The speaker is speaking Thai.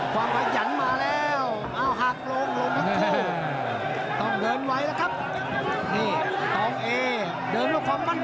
ความกระหยันมาแล้วเอ้าหากลงลงทั้ง๒